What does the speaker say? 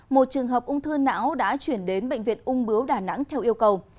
một trường hợp ung thư não đã chuyển đến bệnh viện ung bướu đà nẵng theo yêu cầu